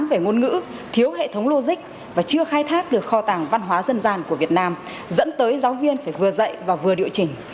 về ngôn ngữ thiếu hệ thống logic và chưa khai thác được kho tàng văn hóa dân gian của việt nam dẫn tới giáo viên phải vừa dạy và vừa điều chỉnh